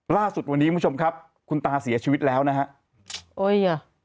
ล่าสุดวันนี้คุณผู้ชมครับคุณตาเสียชีวิตแล้วนะฮะโอ้ยอ่ะ